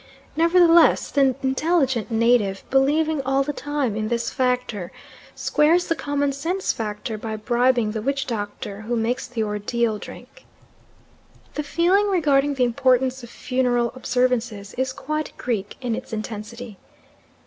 Nevertheless, the intelligent native, believing all the time in this factor, squares the commonsense factor by bribing the witch doctor who makes the ordeal drink. The feeling regarding the importance of funeral observances is quite Greek in its intensity.